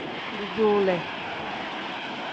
Dujuule.